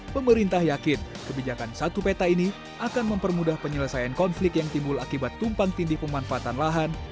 pemerintah yakin kebijakan satu peta ini akan mempermudah penyelesaian konflik yang timbul akibat tumpang tindih pemanfaatan lahan